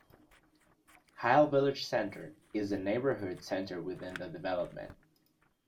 Haile Village Center is the neighborhood center within the development.